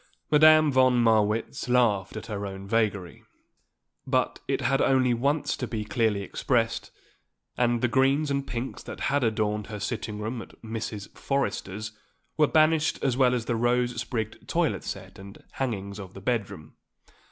Madame von Marwitz laughed at her own vagary; but it had had only once to be clearly expressed, and the greens and pinks that had adorned her sitting room at Mrs. Forrester's were banished as well as the rose sprigged toilet set and hangings of the bedroom.